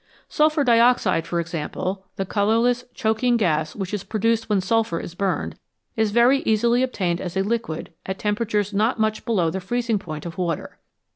Sulphur dioxide, for example, the colourless, choking gas which is produced when sulphur is burned, is very easily obtained as a liquid at temperatures not much below the freezing point of water.